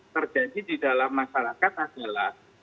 terjadi di dalam masyarakat adalah